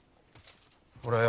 ほらよ。